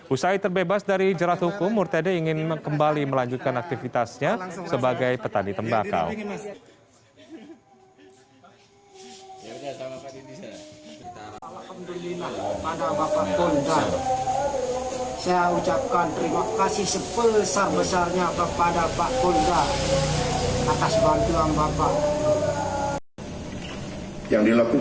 usai terbebas dari jerat hukum murtede ingin kembali melanjutkan aktivitasnya sebagai petani tembakau